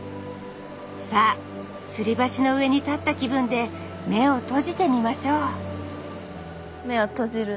さあつり橋の上に立った気分で目を閉じてみましょう目を閉じる。